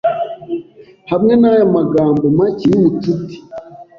Hamwe naya magambo make yubucuti